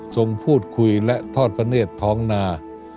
ทรงพูดคุยและทอดเผนศ์ท้องนา